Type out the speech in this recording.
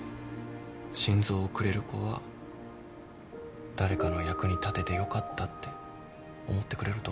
心臓をくれる子は誰かの役に立ててよかったって思ってくれると思うよ。